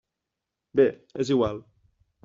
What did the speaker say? Bé, és igual.